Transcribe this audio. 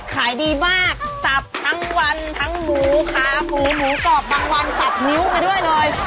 หมูหมูกรอบบางวันสับนิ้วไปด้วยหน่อย